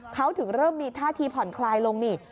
เขาถึงเริ่มมีท่าทีผ่อนคลายลงนี่